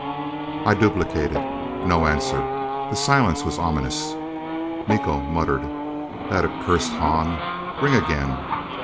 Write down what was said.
I duplicated. No answer. The silence was ominous. Miko muttered, "That accursed Hahn. Ring again!"